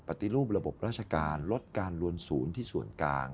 ปฏิรูประบบราชการลดการรวมศูนย์ที่ส่วนกลาง